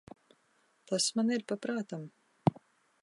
Tas man ir pa prātam.